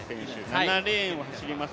７レーンを走ります